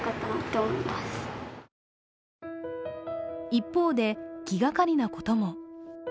一方で、気がかりなことも。